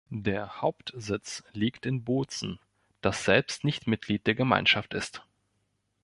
Der Hauptsitz liegt in Bozen, das selbst nicht Mitglied der Gemeinschaft ist.